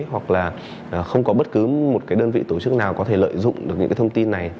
hoặc là không có bất cứ một cái đơn vị tổ chức nào có thể lợi dụng được những cái thông tin này